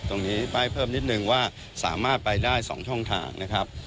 ตรงนี้ป้ายเพิ่มนิดนึงว่าสามารถไปได้๒ช่องทางนะครับ